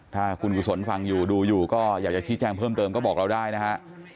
ถ้าคุณกุศลฟังอยู่ดูอยู่ก็อยากจะชี้แจ้งเพิ่มเติมก็บอกเราได้นะฮะ